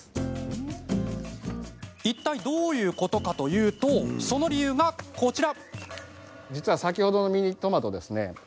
いったいどういうことかというとその理由が、こちら。